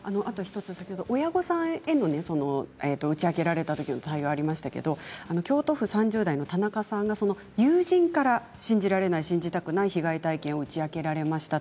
親御さん打ち明けられたときの対応がありましたけど京都府３０代の方から友人から信じられない信じたくない被害体験を打ち明けられました。